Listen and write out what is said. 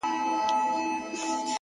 ها د ښكلا شاپېرۍ هغه د سكون سهزادگۍ-